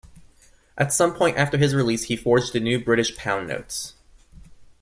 At some point after his release he forged a few British pound notes.